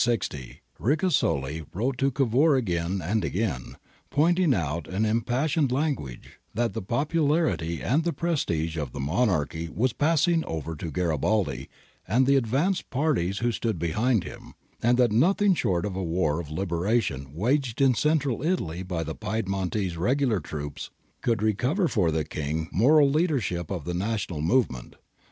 25 above. Principe Nap. 54 58. Chiala, vi. 617. THE AGREEMENT AT CHAMBERY 211 wrote to Cavour again and again, pointing out in impas sioned language that the popularity and the prestige of the Monarchy was passing over to Garibaldi and the advanced parties who stood behind him, and thj^Lnoihing short of a wa^ oOiheralion waged in Central Ita^ by the Piedmontese regular troops could recover for the King the moral leadership of the national moyem ent.